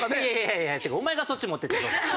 いやいやお前がそっち持っていってどうする。